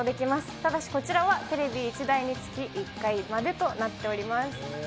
ただしこちらはテレビ１台につき１回までとなっております。